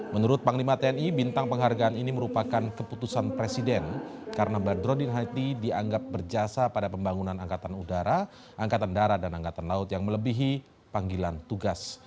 menurut panglima tni bintang penghargaan ini merupakan keputusan presiden karena badrodin haiti dianggap berjasa pada pembangunan angkatan udara angkatan darat dan angkatan laut yang melebihi panggilan tugas